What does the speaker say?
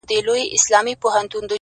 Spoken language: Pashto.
o او په سترگو کې بلا اوښکي را ډنډ سوې ـ